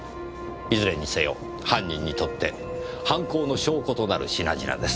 いずれにせよ犯人にとって犯行の証拠となる品々です。